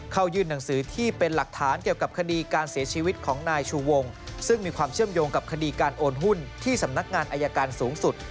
ยื่นหนังสือที่เป็นหลักฐานเกี่ยวกับคดีการเสียชีวิตของนายชูวงซึ่งมีความเชื่อมโยงกับคดีการโอนหุ้นที่สำนักงานอายการสูงสุด